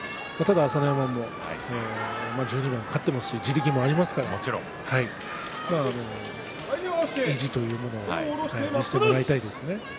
朝乃山も１２番勝ってますし地力がありますから意地というものを見せてもらいたいですね。